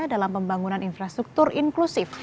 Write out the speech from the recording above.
dalam pembangunan infrastruktur inklusif